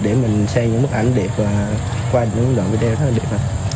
để mình xem những bức ảnh đẹp qua những đoạn video rất là đẹp